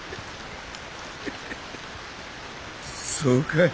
そうかい。